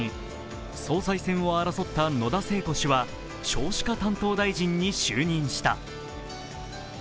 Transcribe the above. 総裁選を争った野田聖子氏は少子化担当大臣に就任した。